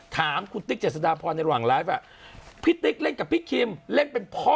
ถามคุณติ๊กเจษฎาพรในระหว่างไลฟ์